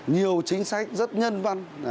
nhiều chính sách rất nhân văn